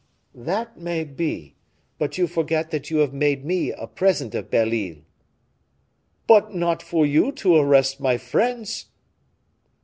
"That may be! But you forget that you have made me a present of Belle Isle." "But not for you to arrest my friends."